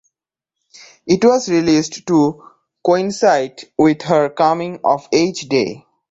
It was released to coincide with her Coming of Age Day.